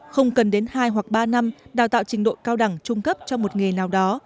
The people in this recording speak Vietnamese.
không cần đến hai hoặc ba năm đào tạo trình độ cao đẳng trung cấp cho một nghề nào đó